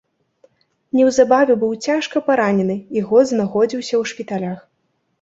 Неўзабаве быў цяжка паранены і год знаходзіўся ў шпіталях.